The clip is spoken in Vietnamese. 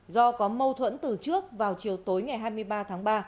do có mâu thuẫn từ trước vào chiều tối ngày hai mươi ba tháng ba